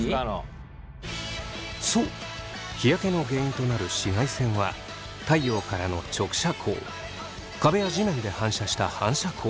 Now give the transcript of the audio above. そう日焼けの原因となる紫外線は太陽からの直射光壁や地面で反射した反射光